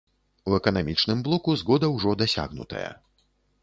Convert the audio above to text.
У эканамічным блоку згода ўжо дасягнутая.